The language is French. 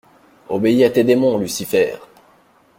Obéis à tes démons, Lucifer!